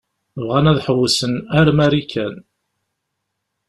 Bɣan ad ḥewwsen ar Marikan.